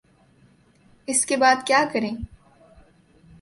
اس کے بعد کیا کریں؟